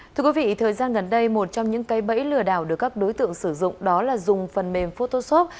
thưa quý vị thời gian gần đây một trong những cây bẫy lừa đảo được các đối tượng sử dụng đó là dùng phần mềm photoshop